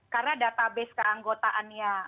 karena database keanggotaannya